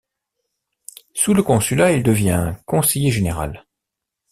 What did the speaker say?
Sous le Consulat, il devient conseiller général.